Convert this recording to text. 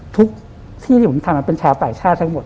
ทุกที่ที่ผมทำเป็นชาวต่างชาติทั้งหมด